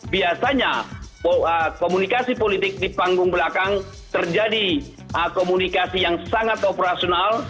biasanya komunikasi politik di panggung belakang terjadi komunikasi yang sangat operasional